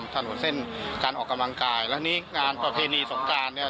ถนนเส้นการออกกำลังกายแล้วนี่งานประเพณีสงการเนี่ย